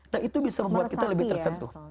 nah itu bisa membuat kita lebih tersentuh